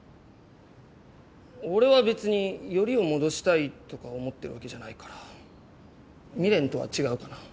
俺は別にヨリを戻したいとか思ってるわけじゃないから未練とは違うかな。